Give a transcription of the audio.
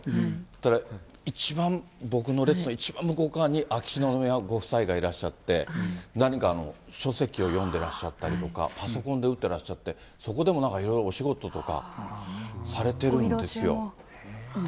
そしたら一番、僕の列の一番向こう側に、秋篠宮ご夫妻がいらっしゃって、何か、書籍を読んでらっしゃったりだとか、パソコンで打ってらっしゃって、そこでもなんかいろいろお仕事とかされてるんですよ。